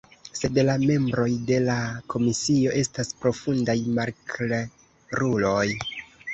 Sed la membroj de la komisio estas profundaj malkleruloj.